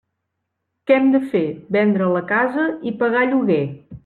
Què hem de fer, vendre la casa i pagar lloguer.